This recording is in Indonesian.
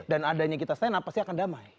dan adanya kita stand up pasti akan damai